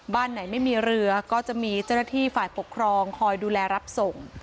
บ้านไหนไม่มีเรือก็จะมีเจ้าหน้าที่ฝ่ายปกครองคอยดูแลรับส่ง